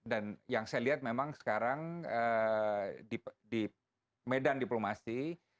dan yang saya lihat memang sekarang di medan diplomasi